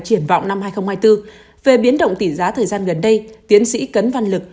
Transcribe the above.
triển vọng năm hai nghìn hai mươi bốn về biến động tỷ giá thời gian gần đây tiến sĩ cấn văn lực